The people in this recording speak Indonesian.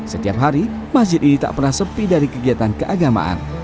setiap hari masjid ini tak pernah sepi dari kegiatan keagamaan